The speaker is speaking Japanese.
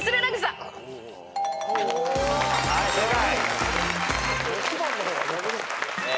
はい正解。